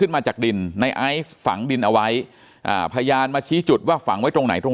มาจากดินในไอซ์ฝังดินเอาไว้อ่าพยานมาชี้จุดว่าฝังไว้ตรงไหนตรง